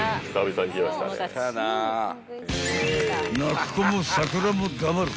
［泣く子も桜も黙る］